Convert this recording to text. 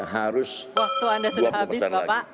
waktu anda sudah habis bapak